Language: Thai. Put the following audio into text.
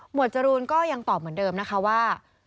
จรูนก็ยังตอบเหมือนเดิมนะคะว่า